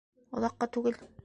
Оҙаҡҡа түгел.